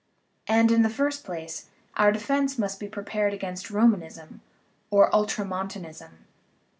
And, in the first place, our defence must be prepared against Romanism or Ultramontan ism.